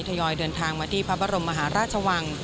ยอยเดินทางมาที่พระบรมมหาราชวัง